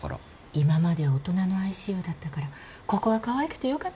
今まで大人のＩＣＵだったからここはかわいくて良かったね。